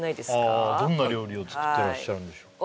ああどんな料理を作ってらっしゃるんでしょう？